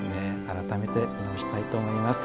改めて見直したいと思います。